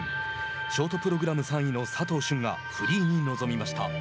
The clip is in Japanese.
ショートプログラム３位の佐藤駿がフリーに臨みました。